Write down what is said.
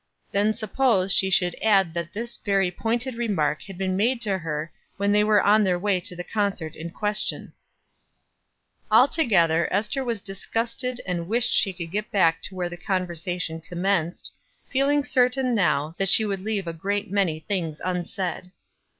Then suppose she should add that this very pointed remark had been made to her when they were on their way to the concert in question. Altogether, Ester was disgusted and wished she could get back to where the conversation commenced, feeling certain now that she would leave a great many things unsaid.